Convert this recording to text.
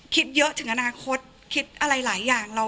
คิดเยอะถึงอนาคตคิดอะไรหลายอย่าง